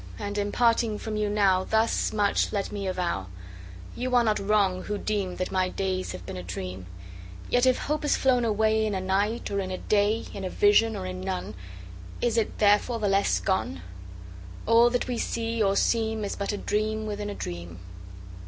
And, in parting from you now, Thus much let me avow You are not wrong, who deem That my days have been a dream: Yet if hope has flown away In a night, or in a day, In a vision or in none, Is it therefore the less gone? All that we see or seem Is but a dream within a dream.